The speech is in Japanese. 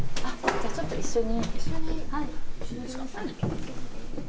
じゃあちょっと一緒に。